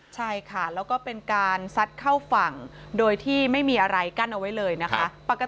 ใช่ค่ะแล้วก็เป็นการซัดเข้าฝั่งโดยที่ไม่มีอะไรกั้นเอาไว้เลยนะคะ